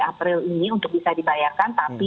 april ini untuk bisa dibayarkan tapi